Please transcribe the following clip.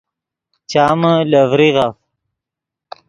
چامے لے ڤریغف